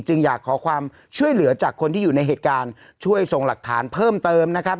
อยากขอความช่วยเหลือจากคนที่อยู่ในเหตุการณ์ช่วยส่งหลักฐานเพิ่มเติมนะครับ